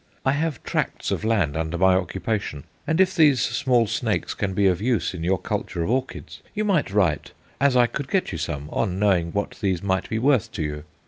I have tracts of land under my occupation, and if these small snakes can be of use in your culture of orchids you might write, as I could get you some on knowing what these might be worth to you.